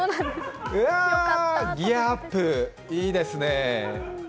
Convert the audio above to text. うわ、ギヤアップ、いいですね。